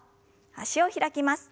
脚を開きます。